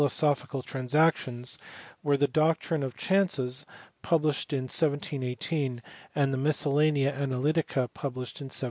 sopkical Transactions, were The Doctrine of Chances published in 1718, and the Miscellanea Analytica published in 1730.